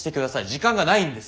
時間がないんです。